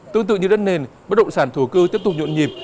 tương tự như đất nền bất động sản thủ cư tiếp tục nhuận nhịp